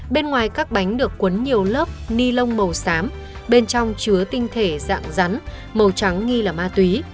bên ngoài các bánh được quấn nhiều lớp ni lông màu xám bên trong chứa tinh thể dạng rắn màu trắng nghi là ma túy